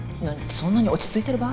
そんなに落ち着いてる場合？